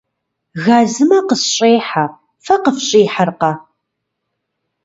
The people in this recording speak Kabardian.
Газымэ къысщӏехьэ, фэ къыфщӏихьэркъэ?